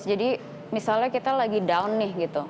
jadi misalnya kita lagi down nih gitu